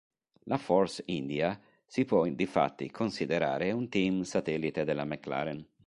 La Force India si può difatti considerare un team satellite della McLaren.